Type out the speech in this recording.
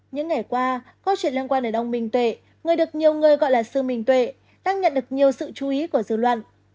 những ngày qua câu chuyện liên quan đến ông minh tuệ người được nhiều người gọi là sư minh tuệ đang nhận được nhiều sự chú ý của dư luận